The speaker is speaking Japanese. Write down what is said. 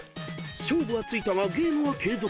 ［勝負はついたがゲームは継続。